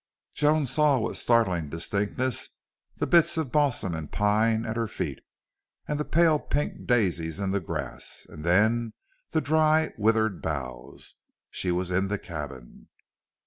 Joan saw with startling distinctness the bits of balsam and pine at her feet and pale pink daisies in the grass, and then the dry withered boughs. She was in the cabin.